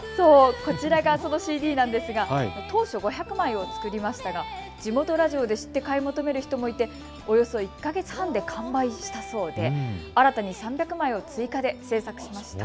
こちらがそのＣＤなんですが当初５００枚を作りましたが地元ラジオで知って買い求める人もいておよそ１か月半で完売したそうで新たに３００枚を追加で制作しました。